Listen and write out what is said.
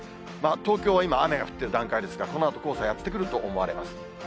東京は今、雨が降っている段階ですが、このあと黄砂やって来ると思われます。